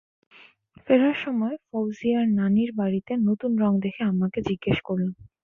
ফেরার সময় ফওজিয়ার নানির বাড়িতে নতুন রং দেখে আম্মাকে জিজ্ঞেস করলাম।